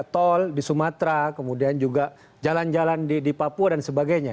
tol di sumatera kemudian juga jalan jalan di papua dan sebagainya